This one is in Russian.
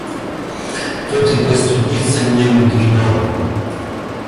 Тут и простудиться не мудрено.